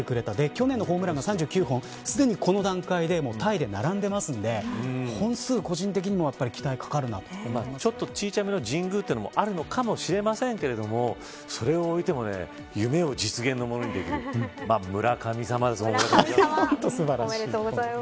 去年のホームランが３９本すでにこの段階でタイで並んでいますので本数は個人的にもちょっと小さめの神宮というのもあるのかもしれませんけどそれをおいても夢を実現にできる本当に村神様です。